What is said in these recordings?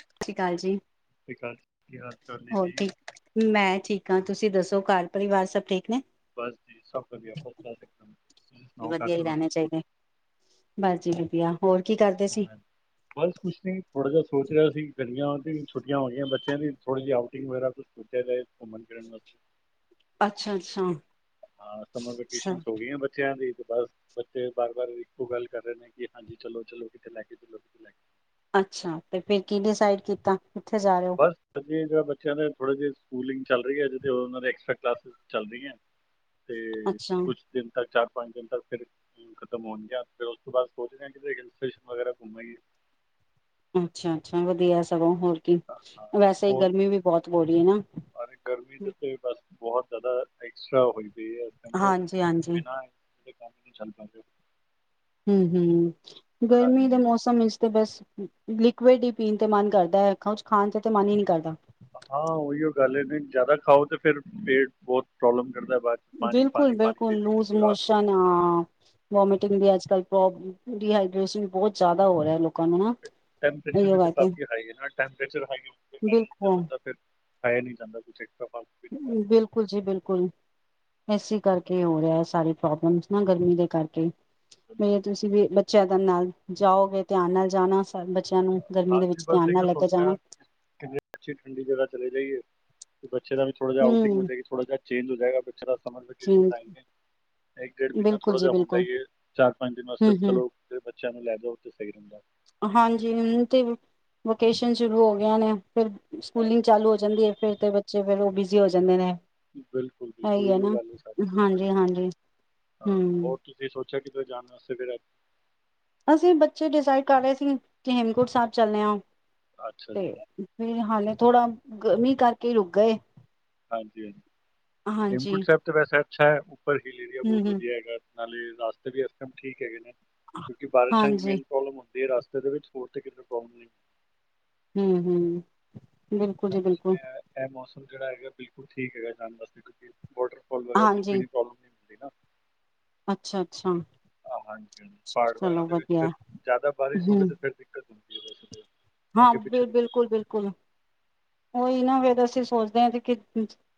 ਸਤਿ ਸ਼੍ਰੀ ਅਕਾਲ ਜੀ ਵਿਕਾਸ ਦੀ ਹਰ ਝੋਨੇ ਹੋਰ ਦੀ ਠੀਕ ਮੈਂ ਠੀਕ। ਤੁਸੀਂ ਦੱਸੋ ਘਰ ਪਰਿਵਾਰ ਸਭ ਠੀਕ ਨੇ? ਬਸ ਜੀ ਸਭ ਵਧੀਆਂ ਫਸਟ ਕਲਾਸ ਇਕਦਮ, ਤੁਸੀਂ ਸੁਣਾਓ ਘਰ ਵਧੀਆ ਹੀ ਪਰਿਵਾਰ ਸਭ ਰਹਿਣੇ ਚਾਹੀਦੇ ਬਸ ਜੀ ਵਧੀਆ ਹੋਰ ਕੀ ਕਰਦੇ ਸੀ ਬਸ ਕੁਛ ਨੀ ਥੋੜਾ ਜ ਸੋਚ ਰਿਹਾ ਸੀ ਗ਼ਰਮੀਆਂ ਦੀ ਛੁੱਟੀਆਂ ਹੋ ਗਈਆਂ ਬੱਚਿਆਂ ਦੀ ਥੋੜ੍ਹੇ ਜਿਹੀ ਆਊਟਿੰਗ ਵਗੈਰਾ ਕੁਛ ਸੋਚਿਆ ਜਾ। ਘੁੰਮਣ ਫਿਰਨ ਵਾਸਤੇ ਅੱਛਾ ਅੱਛਾ ਹਾਂ ਸਮਰ ਅੱਛਾ ਵੈਕੇਸ਼ਨ ਹੋ ਗਈਆਂ ਬੱਚਿਆਂ ਦੀ ਕੇ ਬਸ ਬੱਚੇ ਬਾਰ ਬਾਰ ਇੱਕੋ ਗੱਲ ਕਰ ਰਹੇ ਨੇ, ਕਿ ਹਾਂਜੀ ਚਲੋ ਚਲੋ ਕਿਥੇ ਲੈ ਕੇ ਚਲੋ ਕਿਥੇ ਲੈ ਕੇ ਅੱਛਾ, ਤੇ ਫਿਰ ਕੀ ਡਿਸਾਈਡ ਕੀਤਾ। ਕਿੱਥੇ ਜਾ ਰਹੇ ਹੋ ਬਸ ਸਰੀ ਜੋ ਬੱਚਿਆਂ ਨੇ ਥੋੜੇ ਜਿਹੇ ਸਕੂਲਿੰਗ ਚੱਲ ਰਹੀ ਐ, ਐਕਸਟਰਾ ਕਲਾਸਿਜ ਚੱਲ ਰਹੀ ਐ। ਫੇ ਅੱਛਾ ਕੁਛ ਦਿਨ ਤੱਕ ਚਾ ਪੰਜ ਦਿਨ ਤੱਕ ਫਿਰ ਖਤਮ ਹੋਣਗੀਆਂ, ਫਿਰ ਉਸ ਤੋਂ ਬਾਅਦ ਸੋਚਦੇ ਆ, ਕਿਤੇ ਹਿਲ ਸਟੇਸ਼ਨ ਵਗੈਰਾ ਘੁੰਮ ਆਈਏ। ਅੱਛਾ ਅੱਛਾ, ਵਧੀਆ ਸਗੋਂ ਹੋਰ ਹਾਂ, ਹਾਂ, ਵੈਸੇ ਹੋਰ ਗਰਮੀ ਵੀ ਬਹੁਤ ਬੋ ਰਹੀ ਹੈ ਅਰੇ ਗਰਮੀ ਦੇ ਨਾ। ਤੇ ਬਸ ਬਹੁਤ ਜ਼ਿਆਦਾ ਐਕਸਟਰਾ ਹੋਈ ਪਈ ਹੈ ਇਸ ਤੇ ਹਾਂਜੀ ਹਾਂਜੀ ਬਿਨਾਂ ਇਸ ਦੇ ਕੰਮ ਨਹੀਂ ਚੱਲ ਪਏ। ਹੂੰ ਹੂੰ, ਗਰਮੀ ਦੇ ਮੌਸਮ ਵਿੱਚ ਤੇ ਬਸ ਲਿਕੁਡ ਹੀ ਪੀਣ ਤੇ ਮਨ ਕਰਦਾ, ਕੁਛ ਖਾਣ ਵਿਚ ਤੇ ਮਨ ਹੀ ਨਹੀ ਕਰਦਾ। ਹਾਂ, ਉਹੀਓ ਗੱਲ ਇਹ ਨਹੀਂ ਜਿਆਦਾ ਖਾਓ, ਤੇ ਫੇਰ ਪੇਟ ਬਹੁਤ ਪ੍ਰੋਬਲਮ ਕਰਦਾ ਹੈ ਬਾਅਦ 'ਚ ਪਾਣੀ ਬਿਲਕੁਲ ਪਾਣੀ ਪਾਣੀ ਬਿਲਕੁਲ ਦੇ ਦੇ ਕੇ ਲੂਜ ਬੁਰਾ ਹਾਲ ਮੋਸ਼ਨ ਹੁੰਦਾ ਆ, ਵੋਮਿਟਿੰਗ ਵੀ ਅੱਜ ਕੱਲ ਪ੍ਰੋਬਲ ਡੀਹਾਈਡ੍ਰੇਸ਼ਨ ਵੀ ਬਹੁਤ ਜ਼ਿਆਦਾ ਹੋ ਰਿਹਾ, ਲੋਕ ਕਾ ਨੂੰ ਨਾ, ਇਹ ਕੇ [unintelligible] ਟੈਂਮਪਰੇਚਰ ਹਾਈ ਹੋਣ ਦੇ ਕਾਰਨ ਤੇ ਬਿਲਕੁਲ ਬੰਦਾ ਫਿਰ ਖਾਇਆ ਨਹੀਂ ਜਾਂਦਾ ਇਕ ਤਾ ਬਿਲਕੁਲ ਜੀ ਬਿਲਕੁਲ, ਇਸੇ ਕਰਕੇ ਹੋ ਰਿਹਾ ਸਾਰੀ ਪ੍ਰੋਬਲਮ ਨਾ ਗਰਮੀ ਦੇ ਕਰਕੇ ਮੈਂ ਤੁਸੀਂ ਵੀ ਚਨ ਨਾਲ ਜਾਓਗੇ ਧਿਆਨ ਨਾਲ ਜਾਣਾ। ਬੱਚਿਆਂ ਨੂੰ ਗਰਮੀ ਦੇ ਹਾਂਜੀ ਵਿੱਚ ਬਸ ਧਿਆਨ ਏਇਉ ਨਾਲ ਲੈ ਕੇ ਸੋਚ ਰਹੇ ਜਾਣਾ। ਆ, ਕਿਤੇ ਅੱਛੀ ਠੰਡੀ ਜਗ੍ਹਾ ਚਲੇ ਜਾਈਏ। ਜਿਹੜਾ ਥੋੜਾ ਹੂੰ ਆਊਟਿੰਗ ਥੋੜਾ ਜਿਹਾ ਚੇਜ ਹੋ ਜਾਏਗਾ, ਪਿੱਛ ਜੀ ਸਮਰਫਕੇਸ਼ਨ ਆਏ ਨੇ, ਇੱਕ ਡੇਢ ਮਹੀਨਾ ਬਿਲਕੁਲ ਥੋੜਾ ਜੀ ਜਿਹਾ ਹੁੰਦਾ ਬਿਲਕੁਲ ਏ, ਚਾਰ ਪੰਜ ਦਿਨ ਵਾਸਤੇ ਹੂੰ-ਹੂੰ ਚਲੋ ਚੰ ਲੈਦਾ ਉਹ ਤੇ ਸਹੀ ਰਹਿੰਦਾ ਹਾਂਜੀ। ਤੇ ਵੋਕੇਸ਼ਨ ਸ਼ੁਰੂ ਹੋ ਗਏ ਹੋਣੇ ਆ। ਫੇਰ ਹਾਂ ਸਕੂਲਿੰਗ ਚਾਲੂ ਹੋ ਜਾਂਦੀ ਐ। ਫ਼ਿਰ ਤੇ ਬੱਚੇ ਫਿਰ ਉਹ ਬਿਜ਼ੀ ਹੋ ਜਾਂਦੇ ਨੇ। ਬਿਲਕੁਲ-ਬਿਲਕੁਲ ਇਹੀ ਹੈ ਇਹ ਨਾ ਉਹ ਗੱਲ ਨਹੀਂ ਸ ਹਾਂਜੀ ਬਿਲਕੁਲ ਹਾਂਜੀ ਹਾਂ ਹਮ ਹੋਰ ਤੁਸੀਂ ਸੋਚਿਆ ਕਿਤੇ ਜਾਣ ਵਾਸਤੇ? [inaudible] ਅਸੀਂ ਬੱਚੇ ਡਿਸਾਈਡ ਕਰ ਰਹੇ ਸੀ ਕਿ ਹੇਮਕੁੰਟ ਸਾਹਿਬ ਚੱਲਦੇ ਆ। ਅੱਛਾ ਜੀ ਤੇ ਫਿਰ ਹਾਲੇ ਥੋੜਾ ਮੀਂਹ ਕਰਕੇ ਈ ਰੁਕ ਗਏ। ਹਾਂਜੀ-ਹਾਂਜੀ, ਹਾਂਜੀ ਹੇਮਕੁੰਟ ਸਾਹਿਬ ਤਾਂ ਵੈਸੇ ਅੱਛਾ ਐ। ਉੱਪਰ ਹਿਲ ਏਰੀਆ ਬਹੁਤ ਹਮ ਹਮ ਵਧੀਆ ਹੈਗਾ। ਨਾਲੇ ਰਸਤੇ ਵੀ ਇਸ ਟਾਈਮ ਠੀਕ ਹੈਗੇ ਨੇ। ਕਿਉਂਕਿ ਬਾਰਿਸ਼ਾਂ ਚ ਹਾਂਜੀ ਮੇਨ ਪ੍ਰੋਬਲਮ ਦੇ ਰਸਤੇ ਦੇ ਵਿੱਚ ਹੋਰ ਤੇ ਕਿਤੇ ਪ੍ਰੌਬਲਮ ਨਹੀਂ। ਹੂੰ ਹੂੰ। ਬਿਲਕੁਲ ਜੀ ਸਮਝ ਬਿਲਕੁਲ। ਇਹ ਇਹ ਮੌਸਮ ਜਿਹੜਾ ਹੈਗਾ ਬਿਲਕੁਲ ਠੀਕ ਹੈਗਾ ਜਾਣ ਵਾਸਤੇ ਕਿਉਂਕਿ ਵਾਟਰ ਫਾਲ ਵਗੈਰਾ ਕੁਛ ਵੀ ਹਾਂਜੀ ਨਹੀਂ ਪ੍ਰੋਬਲਮ ਨਹੀਂ ਮਿਲਦੀ ਨਾ। ਅੱਛਾ। ਅੱਛਾ ਆਹ ਹਾਂਜੀ ਪਹਾੜ ਵਾਰਾਂ ਚਲੋ ਦੇ ਵਿੱਚ ਵਧੀਆ ਫਿਰ ਜ਼ਿਆਦਾ ਬਾਰਿਸ਼ ਹੋਵੇ ਹਮ ਤੇ ਫਿਰ ਦਿੱਕਤ ਹੈ ਵੈਸੇ ਤਾਂ ਹਾਂ, ਅੱਗੇ ਪਿੱਛੇ ਦਿੱਕਤ ਨਹੀਂ ਬਿਲਕੁਲ-ਬਿਲਕੁਲ ਉਹੀ ਨਾ ਫਿਰ ਅਸੀਂ ਸੋਚਦੇ ਹਾਂ ਕਿ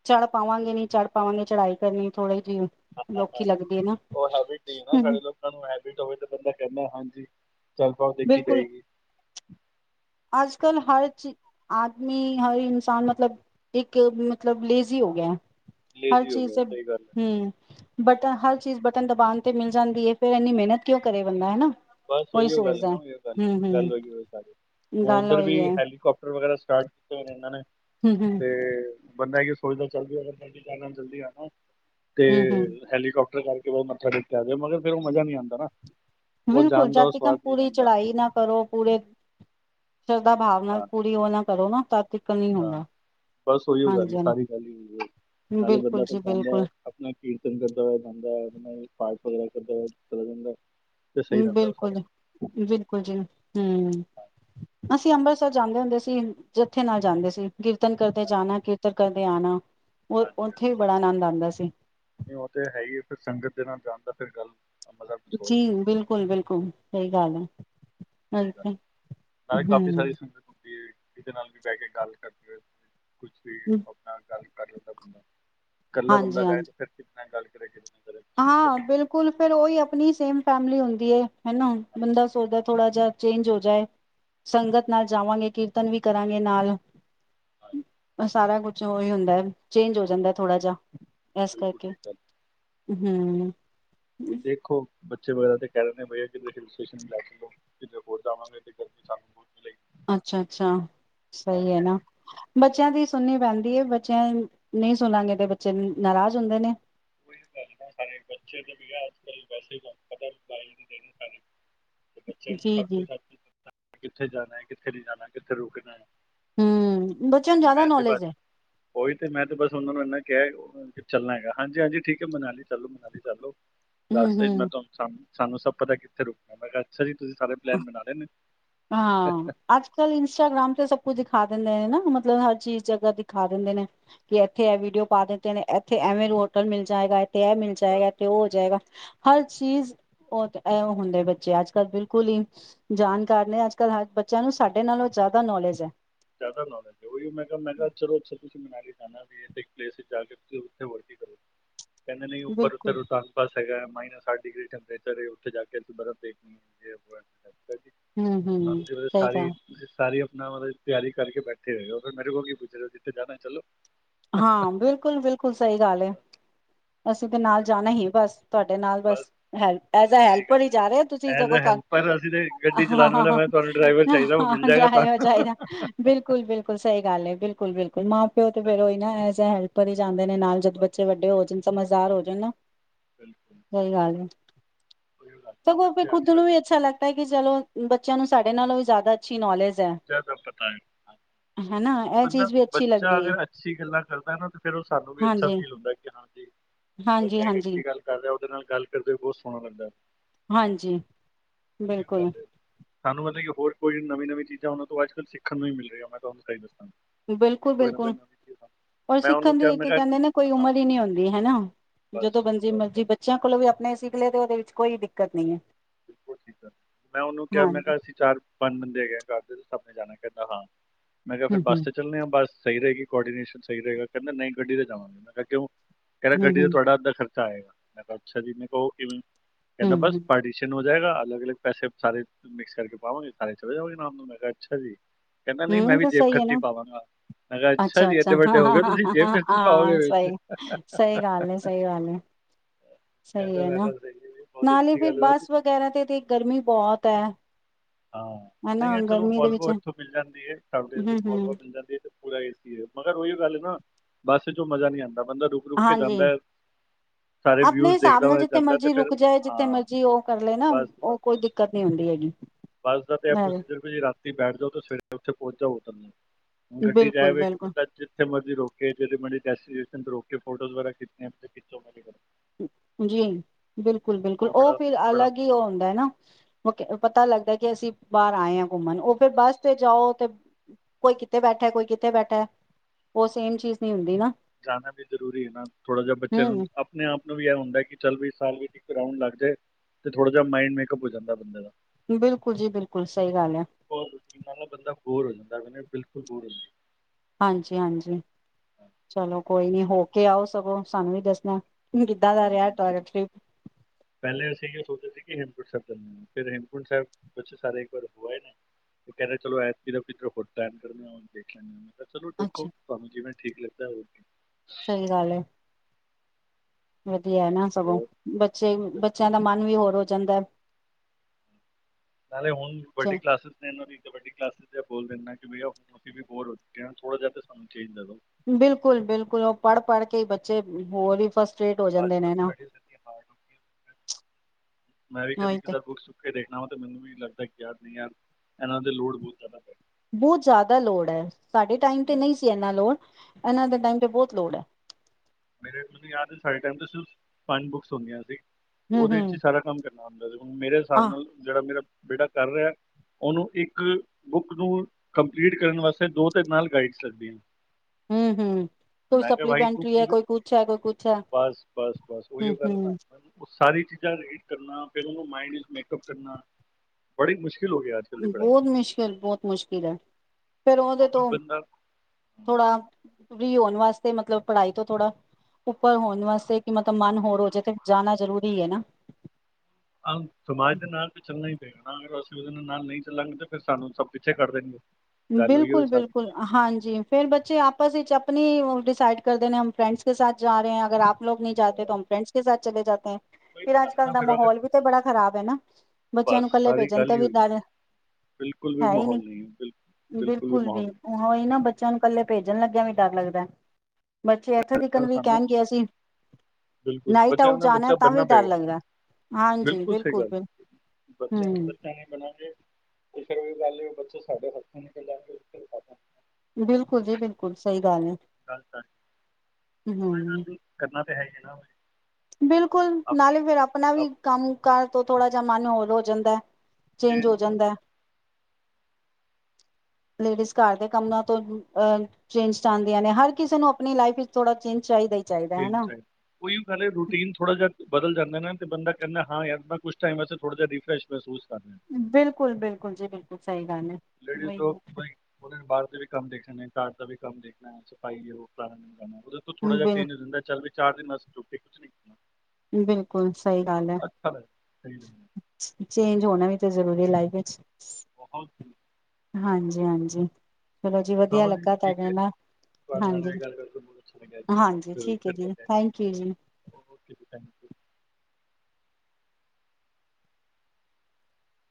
ਚੜ੍ਹ ਪਾਵਾਂਗੇ ਨਹੀਂ ਚੜ੍ਹ ਪਾਵਾਂਗੇ ਚੜ੍ਹਾਈ ਕਰਨੀ ਥੋੜੀ ਜੀ ਹਾਂ ਹਾਂ ਹਾਂ ਔਖੀ ਲੱਗਦੀ ਐ ਨਾ ਉਹ ਹੈਬਿਟ ਨਹੀਂ ਹੈ ਨਾ ਹੂੰ ਸਾਡੇ ਹੂੰ। ਲੋਕਾਂ ਨੂੰ ਹੋਵੇ ਤਾਂ ਬੰਦਾ ਕਹਿੰਦਾ ਹਾਂਜੀ। ਚੱਲ ਪਓ ਦੇਖੀ ਜਾਏਗੀ। ਅੱਜ ਕੱਲ ਹਰ ਚ ਆਦਮੀ ਹਰ ਇਨਸਾਨ ਮਤਲਬ ਇੱਕ ਮਤਲਬ ਲੇਜ਼ੀ ਹੋ ਗਿਆ। ਹਰ ਲੇਜ਼ੀ ਹੋ ਚੀਜ਼ ਗਿਆ ਸਹੀ ਗੱਲ ਹੈ ਹੂੰ ਬਟਨ ਹਾਂ, ਹਰ ਚੀਜ਼ ਬਟਨ ਦਬਾ ਤੇ ਮਿਲ ਜਾਂਦੀ ਐ। ਫਿਰ ਇੰਨੀ ਮਿਹਨਤ ਕਿਉਂ ਕਰੇ ਬੰਦਾ ਹਨਾ। ਬਸ ਉਹੀ ਉਹੀਓ ਗੱਲ ਸੋਚਦਾ ਨਾ ਉਹੀਓ ਗੱਲ ਹਮ ਗੱਲ ਹਮ ਉਹੀਓ ਐ ਸਾਰੀ। ਗੱਲ ਉੱਧਰ ਵੀ ਉਹੀ ਹੈ ਹੈਲੀਕਾਪਟਰ ਵਗੈਰਾ ਸਟਾਰਟ ਕੀਤੇ ਹੋਏ ਨੇ ਇਹਨਾਂ ਨੇ ਹਮ ਹਮ ਤੇ ਬੰਦਾ ਇਹੀ ਓ ਸੋਚਦਾ ਚੱਲ [inaudible] ਜਲਦੀ ਆਉਣਾ। ਤੇ ਹਮ ਹਮ ਹੈਲੀਕਪਟਰ ਕਰਕੇ ਬਹੁਤ ਮੱਥਾ ਟੇਕ ਕੇ ਆ ਗਏ। ਮਗਰ ਫਿਰ ਉਹ ਮਜਾ ਨਹੀਂ ਆਂਦਾ ਨਾ। ਉਹ ਬਿਲਕੁਲ ਜਾਣ ਦਾ ਜਾ ਉਹ ਤੀਕਰ ਸਵਾਦ ਨਹੀਂ ਪੂਰੀ ਆਉਂਦਾ ਚੜ੍ਹਾਈ ਨਾ ਕਰੋ, ਪੂਰੇ ਸ਼ਰਧਾ ਭਾਵਨਾ ਹਾਂ ਪੂਰੀ ਉਹ ਨਾ ਕਰੋ ਨਾ। ਤਾਂ ਫਿਰ ਹਾਂ ਬਸ ਉਹੀਓ ਗੱਲ ਐ ਸਾਰੀ ਹਾਂਜੀ ਗੱਲ ਉਹੀ ਓ ਹੈ। ਨਾਲੇ ਬੰਦਾ ਬਿਲਕੁਲ ਫਿਰ ਜੀ ਜਾਂਦਾ ਬਿਲਕੁਲ ਆਪਣਾ ਕੀਰਤਨ ਕਰਦਾ ਹੋਇਆ ਜਾਂਦਾ ਐ ਆਪ [unintelligible] ਬਿਲਕੁਲ ਬਿਲਕੁਲ ਜੀ ਹਮ ਅਸੀਂ ਅੰਮਰਤਸ ਜਾਂਦੇ ਹੁੰਦੇ ਸੀ ਜੱਥੇ ਨਾਲ ਜਾਂਦੇ ਸੀ ਕੀਰਤਨ ਕਰਦੇ ਹਾਂ ਜਾਣਾ ਕੀਰਤਨ ਕਰਦੇ ਆਣਾ ਹਾਂ ਉਹ ਹਾਂਜੀ ਹਾਂਜੀ। ਉੱਥੇ ਵੀ ਬੜਾ ਆਨੰਦ ਆਉਂਦਾ ਸੀ। [inaudible] ਨਹੀਂ ਉਹ ਤੇ ਹੈ ਹੀ ਫਿਰ ਸੰਗਤ ਦੇ ਨਾਲ ਜਾਣ ਦਾ ਫਿਰ ਗੱਲ ਮਜ਼ਾ ਕੁਝ ਹੋਰ ਜੀ ਹੈ ਬਿਲਕੁਲ -ਬਿਲਕੁਲ ਸਹੀ ਹਾਂ, ਗੱਲ ਹੈ। ਸਹੀ ਤਾਂ ਹੂ ਕਿਸਦੇ ਨਾਲ ਵੀ ਬਹਿ ਕੇ ਗੱਲ ਕਰਦੇ ਹੋਏ ਕੁਛ ਆਪਣਾ ਗੱਲ ਕਰ ਲਦਾ ਤਦਾ [unintelligible] ਇਕੱਲਾ ਬੰਦਾ ਹਾਂਜੀ ਲਹਿ ਹਾਂਜੀ ਤੇ ਨਾਲ ਗੱਲ ਕਿਰੇ ਕਰ ਹਾਂ ਬਿਲਕੁਲ ਫਿਰ ਉਹੀ ਆਪਣੀ ਸੇਮ ਫੈਮਲੀ ਹੁੰਦੀ ਹਨਾ ਬੰਦਾ ਸੋਚਦਾ ਥੋੜਾ ਜਹਾ ਚੇਂਜ ਹੋ ਜਾਏ ਸੰਗਤ ਬਿਲਕੁਲ ਨਾਲ ਜਾਵਾਂਗੇ ਕੀਰਤ ਕੀਰਤਨ ਵੀ ਕਰਾਂਗੇ ਨਾਲ ਹਾਂਜੀ ਸਾਰਾ ਕੁਛ ਉਹੀ ਹੁੰਦਾ ਚੇਂਜ ਹੋ ਜਾਂਦਾ ਥੋੜਾ ਜਾ ਇਸ ਬਿਲਕੁਲ ਕਰਕੇ ਠੀਕ ਗੱਲ ਹਾਂ ਹੂ ਹੁਣ ਦੇਖੋ ਬੱਚੇ ਵਗੈਰਾ ਤੇ ਕਹਿ ਰਿੰਦੇ ਬਈਆ ਕਿ ਹਿਲ ਸਟੇਸ਼ਨ ਲੈ ਚਲੋਕਿਤੇ ਹੋਰ ਜਾਵਾਂਗੇ ਤੇ ਗਰਮੀ ਸਾਨੂੰ ਬਹੁਤ ਮਿਲੇਗੀ ਅੱਛਾ ਅੱਛਾ ਸਹੀ ਹੈ। ਹਾਂਜੀ ਹਾਂ ਨਾ ਬੱਚਿਆਂ ਹਾਂ ਦੀ ਸੁਣਨੀ ਪੈਂਣਦੀ ਬੱਚਿਆਂ ਨਹੀਂ ਸੁਣਾਂਗੇ ਤੇ ਬੱਚੇ ਨਾਰਾਜ਼ ਹੁੰਦੇ ਨੇ ਉਹੀ ਗੱਲਦਾ ਸਾਰੇ ਬੱਚੇ ਤੇ ਵੀ ਅੱਜ ਕੱਲ ਵੈਸੇ ਪਤਾ ਨਹੀਂ ਦੇਣੇ ਸਾਰੇ ਤੇ ਬੱਚਿਆਂ ਨੂੰ ਜੀ ਜੀ। ਸਭ ਸ ਕਿੱਥੇ ਜਾਣਾ ਹੈ। ਕਿੱਥੇ ਨੀ ਜਾਣਾ ਕਿੱਥੇ ਰੁਕਣਾ ਹੂੰ ਬੱਚਿਆਂ ਨੂੰ ਜ਼ਿਆਦਾ ਮੈਂ ਤੇ ਬਸ ਨੌਲੇਜ ਹੈ। ਉਹੀ ਤੇ ਮੈਂ ਤੇ ਬਸ ਉਹਨਾਂ ਨੂੰ ਇੰਨਾ ਕੈਕੇ ਕੁੱਦਣਾ ਚਲਨਾ ਹੈਗਾ। ਹਾਂਜੀ ਹਾਂਜੀ ਠੀਕ ਹੈ। ਮਨਾਲੀ ਚੱਲੋ ਮਨਾਲੀ ਚੱਲੋ ਹੂੰ ਰਾਸਤੇ ਮੈਂ ਹੂੰ। ਤੁ ਸਾਮ ਸਾਨੂੰ ਸਭ ਪਤਾ ਕਿੱਥੇ ਰੁਕਣਾ ਪੇਗਾ ਅਛਾ ਜੀ। ਤੁਸੀਂ ਸਾਰੇ ਪਲਾਨ ਬਣਾ ਲਏ ਨੇ ਹਾਂ ਅੱਜ ਕੱਲ ਇੰਸਟਾਗ੍ਰਾਮ ਤੇ ਸਭ ਕੁਝ ਦਿਖਾ ਦਿੰਦੇ ਨੇ ਨਾ ਮਤਲਬ ਹਰ ਚੀਜ਼ ਜਗ੍ਹਾ ਦਿਖਾ ਦਿੰਦੇ ਨੇ ਕਿ ਇੱਥੇ ਇਹ ਵੀਡੀਓ ਪਾ ਦਿੰਦੇ ਨੇ ਇੱਥੇ ਐਵੇਂ ਹੋਟਲ ਮਿਲ ਜਾਏਗਾ ਇਥ ਤੇ ਇਹ ਮਿਲ ਬਸ ਜਾਏਗਾ ਤੇ ਉਹ ਹੋ ਜਾਏਗਾ ਹਰ ਚੀਜ਼ ਉਹ ਤਾਂ ਐਉਂ ਹੁੰਦੇ ਬੱਚੇ ਅੱਜ ਕੱਲ ਬਿਲਕੁਲ। ਸਕੂਲੀ ਜਾਣਕਾਰ ਨੇ ਅੱਜ ਕੱਲ ਹਰ ਬੱਚਾ ਨਾ ਸਾਡੇ ਨਾਲੋਂ ਜ਼ਿਆਦਾ ਨੌਲੇਜ ਹੈ। ਜ਼ਿਆਦਾ ਨੌਲੇਜ ਹੈ ਉਹੀ ਮੈਂ ਕਿਹਾ ਮੈਂ ਕਿਹਾ ਚਲੋ ਚੱਲੀਏ ਤੁਸੀਂ ਮਨਾਲੀ। ਖਾਣਾ ਵੀ ਇੱਕ ਪਲੇਸ ਜਾ ਕੇ ਤੁਸੀਂ ਉੱਥੇ ਵਰਤੀ ਕਰੋ। ਕਹਿੰਦੇ ਨਹੀਂ ਉੱਪਰ ਬਿਲਕੁਲ ਉੱਧਰ ਉਤਾਰਣ ਬਸ। ਸਗਾ ਮਾਈਨਸ ਆਠ ਡਗਰੀ ਟੈਮਪਰੇਚਰ ਹੈ ਉਥੇ ਜਾ ਕੇ ਅਸੀਂ ਬਰਫ਼ ਦੇਖਣੀ ਹੁੰਦੀ। ਹੂੰ ਹੂੰ ਸਹੀ ਗੱਲ। ਨਾ ਮਹਾਰਾਜ। ਤਿਆਰੀ ਕਰਕੇ ਬੈਠੇ ਹੋਏ ਹੋ ਫਿਰ ਮੇਰੇ ਕੋਲ ਕੀ ਪੁੱਛ ਰਹੇ ਹੋ ਜਿੱਥੇ ਜਾਣਾ ਚਲੋ। ਹਾਂ ਬਿਲਕੁਲ ਬਿਲਕੁਲ ਸਹੀ ਗੱਲ ਹੈ। ਅਸੀਂ ਤੇ ਨਾਲ ਜਾਣਾ ਹੀ ਬਸ। ਤੁਹਾਡੇ ਨਾਲ ਬਸ ਐਜ ਸਹੀ ਗੱਲ ਹੈਲਪਰ ਹੀ ਜਾ ਰਹੇ ਹੈ ਤੁਸੀਂ ਐਜ਼ ਸਗੋਂ ਅ ਹੈਲਪਰ ਅਸੀਂ ਤੇ ਸਾਨੂੰ ਗੱਡੀ ਹਾਂ ਚਲਾਉਣ ਵਾਲਾ ਮੈਂ ਤੁਹਾਨੂੰ ਡਰਾਈਵਰ ਚਾਹੀਦਾ ਉਹ ਮਿਲ ਹਾਂ ਜਾਏਗਾ ਜਾਈਆਂ ਤੁਹਾਨੂੰ ਜਾਈਆਂ ਬਿਲਕੁਲ ਬਿਲਕੁਲ ਸਹੀ। ਗੱਲ ਹੈ ਬਿਲਕੁਲ ਬਿਲਕੁਲ। ਮਾਂ ਪਿਓ ਤੇ। ਐਜ ਐ ਹੈਲਪਰ ਹੀ ਜਾਂਦੇ ਨੇ ਨਾਲ ਜਦੋ ਬੱਚੇ ਬਸ ਵੱਡੇ ਹੋ ਜਾਣ ਸਮਝਦਾਰ ਹੋ ਜਾਣ ਨਾ। ਬਿਲਕੁਲ ਸਹੀ ਗੱਲ ਹੈ। ਉਹੀ ਗੱਲ ਨਾ ਸਗੋਂ ਫੇਰ ਬੱਚੇ ਅੱਜ ਖੁੱਦ ਨੂੰ ਕੱਲ੍ਹ ਵੀ ਅੱਛਾ ਲੱਗਦਾ। ਕਿ ਚਲੋ ਬੱਚਿਆਂ ਨੂੰ ਸਾਡੇ ਨਾਲੋਂ ਜ਼ਿਆਦਾ ਅੱਛੀ ਨੌਲੇਜ। ਹੈ ਜ਼ਿਆਦਾ ਪਤਾ ਹੈ ਹਨਾ ਇਹ ਮਤਲਬ ਚੀਜ਼ ਵੀ ਅੱਛੀ ਬੱਚਾ ਲੱਗਦੀ ਅਗਰ ਹੈ ਅੱਛਾ। ਅੱਛੀ ਗੱਲਾਂ ਕਰਦਾ ਨਾ ਤੇ ਫੇਰ ਉਹ ਸਾਨੂੰ ਵੀ ਅੱਛਾ ਹਾਂਜੀ ਫੀਲ ਹੁੰਦਾ ਕਿ ਹਾਂਜੀ ਹਾਂਜੀ ਬੱਚਾ ਇੱਕ ਹਾਂਜੀ ਅੱਛੀ ਗੱਲ ਕਰ ਰਿਹਾ ਉਹਦੇ ਨਾਲ ਗੱਲ ਕਰਦੇ ਬਹੁਤ ਸੋਹਣਾ ਲੱਗਦਾ। ਹਾਂਜੀ ਇਹ ਗੱਲ ਬਿਲਕੁਲ। ਹੈ ਸਾਨੂੰ ਮਤਲਬ ਹੋਰ ਕੋਈ ਨੀ ਨਵੀ ਨਵੀਂ ਚੀਜ਼। ਜਾਂ ਉਹਨਾਂ ਤੋਂ ਅੱਜ ਕੱਲ ਸਿੱਖਣ ਨੂੰ ਹੀ ਮਿਲ ਰਿਹਾ ਮੈਂ ਤੁਹਾਨੂੰ ਸਹੀ ਦੱਸਾਂ। ਬਿਲਕੁਲ ਕੋਈ ਨਾ ਬਿਲਕੁਲ ਕੋਈ ਨਵੀਂ ਚੀਜ਼ ਸਾਨੂੰ ਔਰ ਮੈਂ ਉਹਨੂੰ ਸਿੱਖਣ ਦੀ ਕਿਹਾ ਇੱਕ ਮੈਂ ਕਿਹਾ ਕਹਿੰਦੇ ਨਾ ਕੋਈ ਹਾਂ ਉਮਰ ਹੀ ਨਹੀਂ ਆਉਂਦੀ ਹਨਾ ਜਦੋਂ ਬਸ ਬੰਜੀ ਬਸ ਮਰਜ਼ੀ ਬਸ ਬੱਚਿਆਂ ਕੋਲੋਂ ਵੀ ਆਪਣੇ ਅਸੀਂ। ਨਿਕਲੇ ਤੇ ਉਹਦੇ ਵਿੱਚ ਕੋਈ ਦਿੱਕਤ ਨੀ ਹੈ। ਬਿਲਕੁਲ ਠੀਕ ਹੈ ਮੈਂ ਉਹਨੂੰ ਕਿਹਾ ਮੈਂ ਹਾਂਜੀ। ਕਿਹਾ ਅਸੀਂ ਚਾਰ ਪੰਜ ਬੰਦੇ ਹੈਗੇ ਆ ਕਰਦੇ ਸਭ। ਮੈਂ ਜਾਣਾ ਕਹਿੰਦਾ ਹਾਂ। ਮੈਂ ਕਿਹਾ ਫਿਰ ਹੂੰ ਬੱਸ ਹੂੰ ਤੇ ਚੱਲਣੇ ਆ ਬੱਸ ਸਹੀ ਰਹੇਗੀ। ਕੋਰਡੀਨੇਸ਼ਨ ਸਹੀ ਰਹੇਗਾ ਕਹਿੰਦੇ ਨਹੀਂ ਗੱਡੀ ਤੇ ਜਾਣਾ ਮੈਂ ਕਿਹਾ ਕਿਉਂ। ਕਿਹਦਾ ਹੂੰ ਗੱਡੀ ਦਾ ਹੂੰ ਤੁਹਾਡਾ ਅੱਧਾ ਖਰਚਾ। ਘੱਟ ਆਏਗਾ ਮੈਂ ਕਿਹਾ ਅੱਛਾ ਜੀ ਉਹ ਕਿਵੇਂ। ਇਹ ਦਾ ਹੂੰ ਬਸ ਪਾਣੀ। ਹੋ ਜਾਏਗਾ ਅਲੱਗ ਅਲੱਗ ਪੈਸੇ ਸਾਰੇ ਮਿਕਸ ਕਰਕੇ ਪਾਵਂਗੇ ਸਾਰੇ ਚਲੇ ਜਾ ਗੇ ਮੈਂ ਕਿਹਾ ਅੱਛਾ ਜੀ। ਕਹਿੰਦਾ ਨਹੀਂ ਹੂੰ ਮੈਂ ਹੂੰ ਵੀ ਤਾਂ ਜੇਬ ਸਹੀ ਹੈ ਖਰਚੀ ਨਾ ਪਾਵਾਂਗਾ ਮੈਂ ਕਿਹਾ ਅੱਛਾ ਜੀ ਐਡੇ ਹਾਂ ਵੱਡੇ ਹਾਂ ਹੋਗੇ ਹਾਂ ਤੁਸੀਂ ਜੇਬ ਹਾਂ ਖਰਚੀ ਪਾਓਗੇ ਹਾਂ ਵਿੱਚ ਸਹੀ ਸਹੀ ਗੱਲ ਹੈ ਸਹੀ ਗੱਲ ਹੈ ਸਹੀ ਕਹਿੰਦਾ ਹੈ ਮੈਂ ਨਾ ਕਿਹਾ ਸਹੀ ਹੈ ਬਹੁਤ ਨਾਲੇ ਅੱਛੀ ਫਿਰ ਗੱਲ ਵੈਸੇ। ਬੱਸ ਵਗੈਰਾ ਤੇ ਤੇ ਗਰਮੀ ਬਹੁਤ ਐ। ਹਾਂ ਨਹੀਂ ਚਲੋ ਵੋਲਵੋ ਇੱਥੋਂ ਮਿਲ ਜਾਂਦੀ ਐ [inaudible] ਹੂੰ ਹੂੰ ਵੋਲਵੋ ਮਿਲ ਜਾਂਦੀ ਐ। ਪੂਰਾ ਏ ਸੀ ਮਗਰ ਉਹੀ ਗੱਲ ਨਾ ਬਸ ਚ ਉਹ ਮਜ਼ਾ ਨਹੀਂ ਆਂਦਾ। ਹਾਂਜੀ ਸਾਰੇ ਆਪਣੇ ਵਿਊਜ਼ ਹਿਸਾਬ ਦੇਖਦਾ ਨਾਲ ਹੋਇਆ ਜਿੱਥੇ ਜਾਂਦਾ ਤੇ ਮਰਜ਼ੀ ਫਿਰ ਰੁਕ ਜਾਏ ਜਿੱਥੇ ਹਾਂ ਮਰਜ਼ੀ ਉਹ ਕਰ ਲਏ ਨਾ ਬਸ ਉਹ ਬਸ ਕੋਈ ਬਸ। ਦਿੱਕਤ ਨੀ ਹੁੰਦੀ ਹੈਗੀ ਬੱਸ ਦਾ ਤਾਂ ਇਹ ਪ੍ਰੋਸੀਜਰ ਵੀ ਜੀ ਰਾਤੀ ਬੈਠ ਜਾਓ ਤੇ ਸਵੇਰੇ ਉੱਥੇ ਹੋਰ ਤਾਂ ਕੋਈ ਗੱਲ ਨੀ। ਗੱਡੀ ਤੇ ਐ ਬਿਲਕੁਲ ਵੈ ਕਿ ਬਿਲਕੁਲ ਬੰਦਾ ਜਿੱਥੇ ਮਰਜ਼ੀ ਰੁੱਕ ਕੇ ਜਿੱਥੇ ਮਰਜ਼ੀ ਡਸ਼ਨ ਰੁੱਕ ਕੇ ਫੋਟੋਜ਼ ਵਗੈਰਾ ਖਿੱਚਣੀਆਂ [inaudible] ਜੀ ਬਿਲਕੁਲ ਬਿਲਕੁਲ ਉਹ ਬੜਾ ਫਿਰ ਬੜਾ ਅਲੱਗ ਹੀ ਉਹ ਹੁੰਦਾ ਨਾ ਪਤਾ ਲੱਗਦਾ। ਕਿ ਅਸੀਂ ਬਾਹਰ ਆਏ ਆ ਘੁੰਮਣ ਉਹ ਫੇਰ ਬੱਸ ਤੇ ਜਾਓ ਤੇ ਕੋਈ ਕਿੱਥੇ ਬੈਠਾ ਕੋਈ ਕਿੱਥੇ ਬੈਠਾ ਉਹ ਸੇਮ ਚੀਜ਼ ਨੀ ਹੁੰਦੀ ਨਾ। ਜਾਣਾ ਵੀ ਜ਼ਰੂਰੀ ਹੈ ਨਾ ਥੋੜਾ ਜਿਹਾ ਬੱਚੇ ਨੂੰ ਹੂੰ ਆਪਣੇ ਆਪ ਨੂੰ ਵੀ ਇਹ ਹੁੰਦਾ ਕਿ ਚੱਲ ਵੀ ਸਾਲ ਵਿੱਚ ਇੱਕ ਰਾਊਂਡ ਲੱਗ ਜਾਏ ਤੇ ਥੋੜਾ ਜਿਹਾ ਮਾਈਡ ਮੇਕਅਪ ਹੋ ਜਾਂਦਾ ਬੰਦੇ ਦਾ। ਬਿਲਕੁਲ ਜੀ ਬਿਲਕੁਲ। ਸਹੀ ਗੱਲ ਹੈ [unintelligible] ਨਾਲੇ ਬੰਦਾ ਬੋਰ ਹੋ ਜਾਂਦਾ ਬਿਲਕੁਲ ਬੋਰ ਹੋ ਜਾਂਦਾ। ਹਾਂਜੀ ਹਾਂਜੀ ਚਲੋ ਕੋਈ ਨੀ ਹਾਂ, ਹੋ ਕੇ ਆਓ ਸਗੋਂ। ਸਾਨੂੰ ਵੀ ਦੱਸਣਾ। ਕਿੱਦਾਂ ਦਾ ਰਿਹਾ ਹਾਂਜੀ, ਤੁਹਾਡਾ ਜ਼ਰੂਰ ਟ੍ਰਿਪ ਪਹਿਲੇ ਅਸੀਂ ਇਹ ਸੋਚਿਆ ਸੀ ਕਿ ਹ [unintelligible] ਪਰ ਚਲੋ ਦੇਖੋ ਅੱਛਾ ਤੁਹਾਨੂੰ ਜਿਵੇਂ ਠੀਕ ਲੱਗਦਾ ਹੋਰ ਕੀ। ਹਾਂ। ਵੀ ਹੈ ਨਾ ਸਗੋਂ ਹੋਰ ਬੱਚੇ ਬੱਚਿਆਂ ਬਿਲਕੁਲ ਦਾ ਮਨ ਵੀ ਹੋਰ ਜਾਂਦਾ। ਨਾਲੇ ਹੁਣ ਵੱਡੀ ਕਲਾਸਿਸ ਨੇ ਇਹਨਾਂ ਦੀ ਤੇ ਵੱਡੀ ਕਲਾਸਿਸ ਬੋਲ ਦਿੰਦਾ। [unintelligible] ਥੋੜਾ ਜਾ ਬਿਲਕੁਲ ਬਿਲਕੁਲ ਉਹ ਪੜ੍ਹ ਪੜ੍ਹ ਕੇ ਹੀ ਬੱਚੇ ਹੋਰ ਹੀ ਫਸ [unintelligible] ਮੈਂ ਵੀ ਕਦੇ ਉਹੀ ਕਦਾਰ ਬੁੱਕਸ ਚੁੱਕ ਕੇ ਦੇਖਣਾ ਵਾ। ਮੈਨੂੰ ਵੀ ਲੱਗਦਾ ਕਿ ਯਾਰ ਨਹੀਂ ਯਾਰ ਇਹਨਾਂ ਦੇ ਲੋੜ ਬਹੁਤ ਜ਼ਿਆਦਾ ਪੈ ਬਹੁਤ ਜ਼ਿਆਦਾ ਲੋਡ ਹੈ ਸਾਡੇ ਟਾਈਮ ਤੇ ਗਿਆ। ਨਹੀਂ ਸੀ ਇੰਨਾ ਲੋਡ ਇਹਨਾਂ ਦੇ ਟਾਈਮ ਤੇ ਬਹੁਤ ਲੋਡ ਐ। ਮੇਰੇ ਮੈਨੂੰ ਯਾਦ ਹੈ ਸਾਡੇ ਟਾਈਮ ਤੇ ਸਿਰਫ਼ ਪੰਜ ਬੁੱਕਸ ਹੁੰਦੀਆਂ ਸੀ। ਹੂੰ ਉਹਦੇ ਵਿੱਚ ਹੀ ਹੂੰ ਸਾਰਾ ਕੰਮ ਕਰ ਹਾਂ ਫਿਰ ਮੇਰੇ ਹਿਸਾਬ ਆ ਨਾਲ ਜਿਹੜਾ ਮੇਰਾ ਬੇਟਾ ਕਰ ਰਿਹਾ ਉਹਨੂੰ ਇੱਕ ਬੁੱਕ ਨੂੰ ਕੰਪਲੀਟ ਕਰਨ ਵਾਸਤੇ ਦੋ ਤਿੰਨ ਨਾਲ ਗਾਈਡਸ ਲਗਦੀਆਂ ਹਮ ਹਮ ਮੈਂ ਕਿਹਾ ਭਾਈ ਤੂੰ ਕਿਵੇ ਕੁਛ ਹੈ ਬਸ ਬਸ ਬਸ ਉਹੀਓ ਹੂੰ ਗੱਲ ਨਾ ਹੂੰ ਮੂੰ ਉਹ ਸਾਰੀ ਚੀਜ਼ਾਂ ਰੀਡ ਕਰਨਾ ਫਿਰੂ ਮਾਈਂਡ ਮੇਕਅਪ ਕਰਨਾ ਬੜੀ ਮੁਸ਼ਕਿਲ ਹੋ ਗਈ ਅੱਜ ਕੱਲ੍ਹ ਦੀ ਪੜ੍ਹਾਈ ਬਹੁਤ ਮੁਸ਼ਕਿਲ ਬਹੁਤ ਮੁਸ਼ਕਿਲ ਹੈ ਫਿਰ ਉਹਦੇ ਤੋਂ ਨੋਰਮਲ ਬੰਦਾ ਥੋੜਾ ਫਰੀ ਹੋਣ ਵਾਸਤੇ ਮਤਲਬ ਪੜ੍ਹਾਈ ਤੋਂ ਥੋੜ੍ਹਾ ਉੱਪਰ ਹੋਣ ਵਾਸਤੇ ਕਿ ਮਤਲਬ ਮਨ ਹੋਰ ਹੋ ਜਾਵੇ ਤੇ ਜਾਣਾ ਜ਼ਰੂਰੀ ਹੈ ਨਾ ਆ ਸਮਾਜ ਦੇ ਨਾਲ ਤੇ ਚੱਲਣਾ ਹੀ ਖਾਣ ਅਗਰ ਅਸੀਂ ਉਹਦੇ ਨਾਲ ਨਹੀਂ ਚੱਲਾਂਗੇ ਫਿਰ ਸਾਨੂੰ ਸਭ ਪਿੱਛੇ ਕਰ ਦੇਣਗੇ ਗੱਲ ਹੋਈ ਹੋਈ ਬਿਲਕੁਲ ਸਾਰੀ ਆਪਣੀ ਡਿਸਾਈਡ ਕਰ ਦੇਣੇ ਹਮ ਫਰੈਂਡਸ ਕੇ ਸਾਥ ਜਾ ਰਿਹਾ ਅਗਰ ਆਪ ਲੋਕ ਨਹੀਂ ਜਾਤੇ ਹਾਂ, ਹੁ ਫਰੈਂਡਸ ਕੇ ਸਾ ਚਲੇ ਜਾਦੇ ਕੋਈ ਵੀ ਫਿਰ ਅੱਜ ਗੱਲ ਕਲ ਨਾ ਦਾ ਫਿਰ ਅਗਰ ਮਾਹੌਲ ਵੀ ਤੇ ਬੜਾ ਖ਼ਰਾਬ ਹੈ ਨਾ ਬੱਚਿਆਂ ਬਸ ਨੂੰ ਕੱਲੇ ਸਾਰੀ ਭੇਜਣ ਗੱਲ ਤੇ ਹੀ ਵੀ ਹੋਈ ਹੈ। ਡਰ ਬਿਲਕੁਲ ਵੀ ਹੈ ਹੀ ਮਾਹੌਲ ਨਹੀਂ ਹੈ, ਬਿਲ- ਬਿਲਕੁਲ ਵੀ ਮਾਹੌਲ ਨਹੀਂ ਮਹੌਲ ਨੀ ਹਾਂ, ਬੱਚਿਆਂ ਨੂੰ ਕੱਲੇ ਭੇਜ ਜਣ ਲੱਗਿਆ ਵੀ ਡਰ ਲੱਗਦਾ ਬੱਚੇ ਇੱਥੇ ਦਿਖਣ ਤਾਂ ਵੀ ਸਾਨੂੰ ਕਹਿਣਗੇ ਸੀ ਬਿਲਕੁਲ ਨਾਈਟ ਬੱਚਿਆਂ ਆਊਟ ਨਾਲ ਜਾਣਾ ਬੱਚਾ ਤਾਂ ਵੀ ਬਣਨਾ ਡਰ ਪਏਗਾ ਲੱਗਦਾ ਹਾਂਜੀ ਸਹੀ ਬਿਲਕੁਲ ਗੱਲ ਹੈ। ਬਿਲਕੁਲ ਬੱਚਿਆਂ ਨੂੰ ਹਮ ਬੱਚਾ ਨਹੀਂ ਬਣਾਂਗੇ ਤੇ ਫਿਰ ਉਹ ਗੱਲ ਉਹ ਬੱਚੇ ਸਾਡੇ ਹੱਥੋਂ ਨਿਕਲ ਜਾ ਕੇ ਬਿਲਕੁਲ ਜੀ ਬਿਲਕੁਲ ਸਹੀ ਗੱਲ ਹੈ ਬਸ ਬਸ ਕੋਈ ਗੱਲ ਹੂੰ, ਨਹੀਂ ਕਰਨਾ ਤੇ ਹੈ ਈ ਨਾ ਬਿਲਕੁਲ ਨਾਲੇ ਆਪਣੇ ਫਿਰ ਆਪਣਾ ਵੀ ਆਪ ਕੰਮ ਕਰ ਘਰ ਤੋਂ ਥੋੜਾ ਜਿਹਾ ਮਨ ਹੋਰ ਹੋ ਜਾਂਦਾ ਹੈ ਚੇਂਜ ਹੋ ਜਾਂਦਾ ਹੈ ਲੇਡੀਜ਼ ਘਰ ਦੇ ਕੰਮਾਂ ਤੋਂ ਅਹ ਚੇਂਜ ਚਾਂਦੀਆਂ ਨੇ ਹਰ ਕਿਸੇ ਨੂੰ ਆਪਣੀ ਲਾਈਫ ਵਿਚ ਥੋੜਾ ਚੇਂਜ ਚਾਹੀਦਾ ਚਾਹੀਦਾ ਹੈਨਾ। ਉਹੀ ਗੱਲ ਹੈ ਥੋੜਾ ਬਦਲ ਜਾਂਦੇ ਨੇ ਤੇ ਬੰਦਾ ਕਹਿੰਦਾਂ ਯਾਰ ਕੁਛ ਟਾਈਮ ਵਾਸਤੇ ਥੋੜਾ ਜਹਾ ਰਿਫਰੈਸ਼ ਮਹਿਸੂਸ ਕਰ ਰਿਹਾ ਬਿਲਕੁਲ ਬਿਲਕੁਲ ਜੀ ਬਿਲਕੁਲ ਸਹੀ ਗੱਲ ਹੈ ਲੇਡੀਜ਼ ਉਹੀ ਲੋਕ ਬਈ ਉਹਨਾਂ ਨੇ ਬਾਹਰ ਦੇ ਵੀ ਕੰਮ ਦੇਖਣੇ ਘਰ ਦਾ ਵੀ ਕੰਮ ਦੇਖਣਾ ਸਫਾਈ ਜ਼ਰੂਰ ਕਰਾਨਾ ਉਹਦੇ ਥੋੜਾ ਜ ਬਿਲ ਦਿੰਦਾ ਚੱਲ ਵੀ ਚਾਰ ਦਿਨਾਂ ਬਿਲਕੁਲ ਸਹੀ ਗੱਲ ਹੈ ਸਹੀ ਲੱਗਦਾ ਚੇਂਜ ਹੋਣਾ ਵੀ ਤੇ ਜ਼ਰੂਰੀ ਹੈ ਲਾਈਫ ਵਿੱਚ। ਬਹੁਤ ਹਾਂਜੀ-ਹਾਂਜੀ ਚਲੋ ਜੀ ਠੀਕ ਏ ਤੁਹਾਡੇ ਨਾਲ ਹਾਂਜੀ ਵੀ ਗੱਲ ਕਰਕੇ ਬਹੁਤ ਅੱਛਾ ਲਗਿਆ ਜੀ ਹਾਂਜੀ ਜਰੂਰ ਠੀਕ ਹੈ ਫੇਰ ਜੀ ਕਰਦੇ ਥੈਂਕ ਯੂ ਜੀ ਹਾਂ ਓਕੇ ਜੀ ਥੈਂਕ ਯੂ।